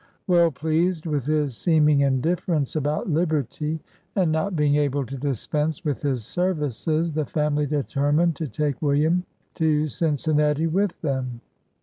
Well pleased with his seeming indifference about liberty, and not being able 38 . BIOGRAPHY OF to dispense with his services, the family determined to take William to Cincinnati with them.